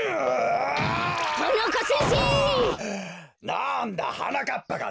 なんだはなかっぱか。